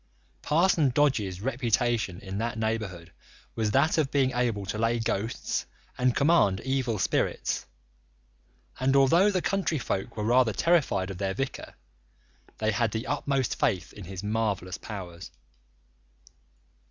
Parson Dodge's reputation in that neighbourhood was that of being able to lay ghosts and command evil spirits, and although the country folk were rather terrified of their vicar, they had the utmost faith in his marvellous powers.